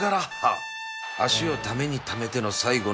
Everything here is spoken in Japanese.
足をためにためての最後の直線